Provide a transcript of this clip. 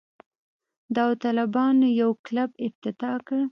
داوطلبانو یو کلب افتتاح کړ.